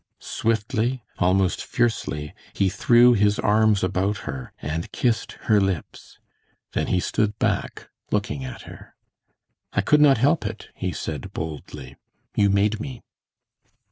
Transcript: Swiftly, almost fiercely, he threw his arms about her, and kissed her lips, then he stood back looking at her. "I could not help it," he said, boldly. "You made me."